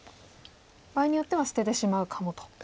場合によっては捨ててしまうかもと。